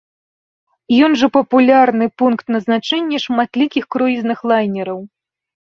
Ён жа папулярны пункт назначэння шматлікіх круізных лайнераў.